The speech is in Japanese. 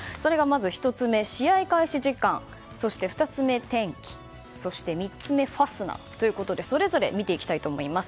１つ目が試合開始時間２つ目、天気そして３つ目、ファスナー。ということでそれぞれ見ていきたいと思います。